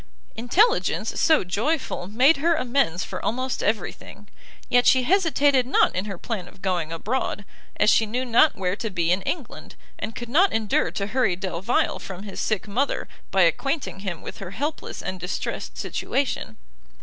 Intelligence so joyful made her amends for almost every thing; yet she hesitated not in her plan of going abroad, as she knew not where to be in England, and could not endure to hurry Delvile from his sick mother, by acquainting him with her helpless and distressed situation.